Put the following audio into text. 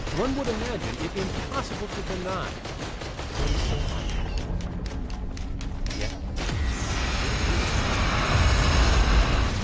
One would imagine it impossible to deny what is so obvious. Yet it is denied.